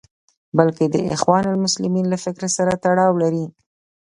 بلکې د اخوان المسلمین له فکر سره تړاو لري.